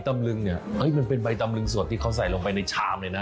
มันเป็นใบตำลึงสวดที่เขาใส่ลงไปในชามเลยนะ